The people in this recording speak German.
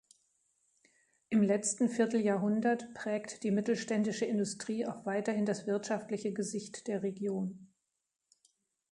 Im letzten Vierteljahrhundert prägt die mittelständische Industrie auch weiterhin das wirtschaftliche Gesicht der Region.